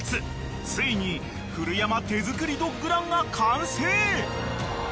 ［ついに古山手作りドッグランが完成！］